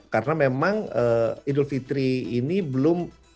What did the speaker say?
karena memang idul fitri ini belum